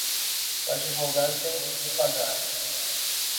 O advogado tem que pagar.